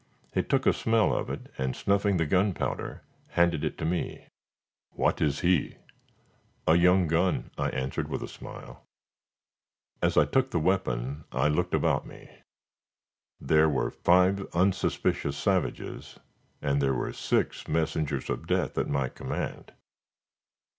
He took a smell of it, and snuffing the gunpowder, handed it to me. "What is he?" "A young gun," I answered with a smile. As I took the weapon I looked about me. There were five unsuspicious savages, and there were six messengers of death at my command.